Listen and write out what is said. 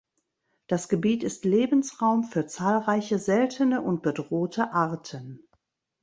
Das Gebiet ist Lebensraum für zahlreiche seltene und bedrohte Arten.